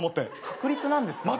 確率なんですかね。